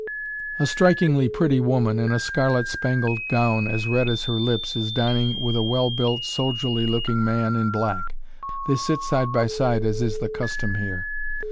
A strikingly pretty woman, in a scarlet spangled gown as red as her lips, is dining with a well built, soldierly looking man in black; they sit side by side as is the custom here.